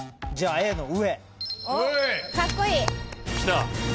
Ａの上。